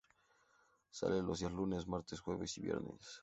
Sale los días lunes, martes, jueves y viernes.